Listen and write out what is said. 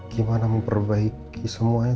gimana memperbaiki semuanya